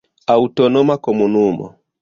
Aŭtonoma Komunumo.